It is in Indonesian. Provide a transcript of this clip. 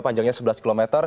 panjangnya sebelas km